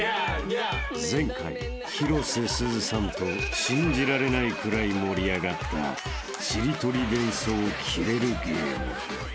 ［前回広瀬すずさんと信じられないくらい盛り上がったしりとり連想キレるＧＡＭＥ］